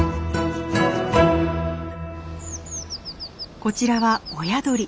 こちらは親鳥。